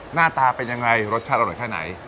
หน้าตาเป็นยังไงรสชาติอร่อยแค่ไหน